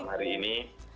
selamat malam hari ini